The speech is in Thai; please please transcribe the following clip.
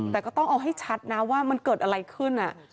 แต่ก็ต้องเอาให้ชัดนะว่ามันเกิดอะไรขึ้น